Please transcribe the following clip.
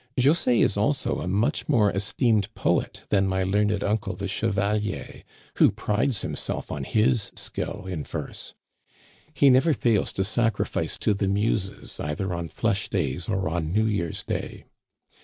"José is also a much more highly esteemed poet than my learned uncle the chevalier, who prides himself on his skill in verse. He never fails to sacrifice to the Muses either on flesh days or on New Year's Day.